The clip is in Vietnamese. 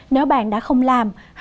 nếu bạn đã không làm